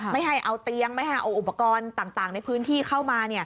ไม่ให้เอาเตียงไม่ให้เอาอุปกรณ์ต่างในพื้นที่เข้ามา